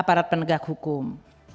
aparat penegak hukum